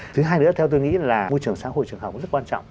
thứ hai nữa theo tôi nghĩ là môi trường xã hội trường học rất quan trọng